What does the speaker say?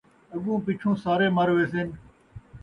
اڳوں پچھوں سارے مر ویسن